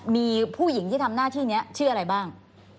มีผู้หญิงที่ทำหน้าที่นี้ชื่ออะไรบ้าง